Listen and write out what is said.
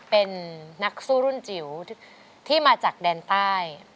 เป็นนักสู้รุ่นจิ๋วที่มาจากแดนใต้